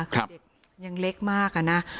เด็กยังเล็กมากอะนะ